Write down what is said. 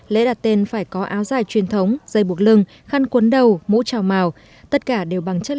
lễ đặt tên là một ngày vui của gia đình dòng họ và cũng là ngày vui của cả bản làng